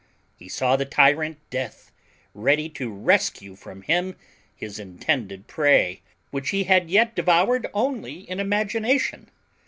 He saw the tyrant death ready to rescue from him his intended prey, which he had yet devoured only in imagination.